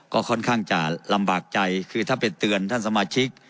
ก็ค่อนข้างจะลำบากใจคือถ้าไปเตือนท่านสมาชิก